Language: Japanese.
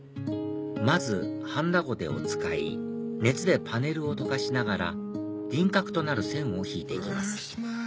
まずハンダゴテを使い熱でパネルを溶かしながら輪郭となる線を引いて行きます